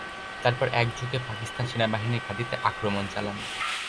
তারপর একযোগে পাকিস্তান সেনাবাহিনীর ঘাঁটিতে আক্রমণ চালান।